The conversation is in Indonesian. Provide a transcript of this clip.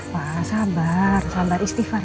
pak sabar sabar istighfar